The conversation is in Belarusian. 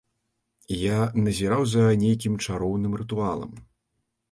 Я назіраў за нейкім чароўным рытуалам.